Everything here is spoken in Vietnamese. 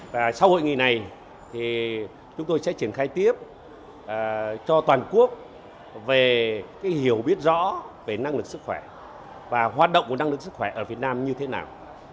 và sau hội nghị này thì chúng tôi sẽ triển khai tiếp cho toàn quốc về cái hiểu biết rõ về năng lực sức khỏe và hoạt động của năng lực sức khỏe ở việt nam như thế nào